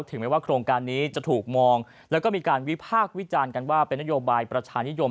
ไม่ว่าโครงการนี้จะถูกมองแล้วก็มีการวิพากษ์วิจารณ์กันว่าเป็นนโยบายประชานิยม